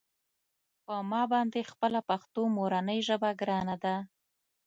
په ما باندې خپله پښتو مورنۍ ژبه ګرانه ده.